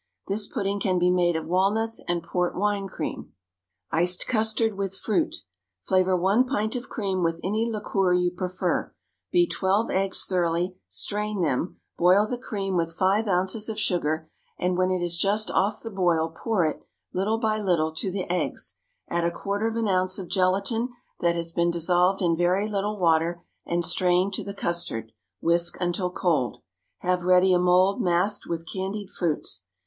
This pudding can be made of walnuts and port wine cream. Iced Custard with Fruit. Flavor one pint of cream with any liqueur you prefer; beat twelve eggs thoroughly; strain them; boil the cream with five ounces of sugar, and when it is just off the boil pour it, little by little, to the eggs; add a quarter of an ounce of gelatine that has been dissolved in very little water and strained to the custard; whisk until cold; have ready a mould masked with candied fruits.